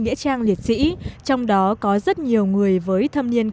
đồng bằng sông cửu long hiện có rất nhiều người với thâm niên